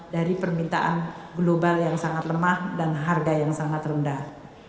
dari permintaan global yang sangat lemah dan harga yang sangat rendah